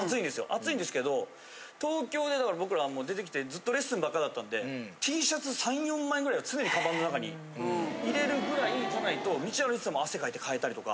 暑いんですけど東京でだから僕ら出てきてずっとレッスンばっかだったんでＴシャツ３４枚ぐらいを常にカバンの中に入れるぐらいじゃないと道歩いてても汗かいて替えたりとか。